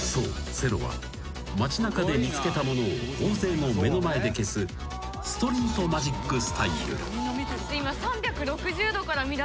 セロは街なかで見つけたものを大勢の目の前で消すストリートマジックスタイル］